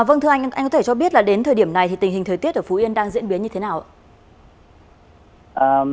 vâng thưa anh anh có thể cho biết là đến thời điểm này thì tình hình thời tiết ở phú yên đang diễn biến như thế nào ạ